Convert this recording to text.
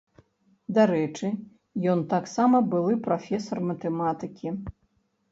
Дарэчы, ён таксама былы прафесар матэматыкі.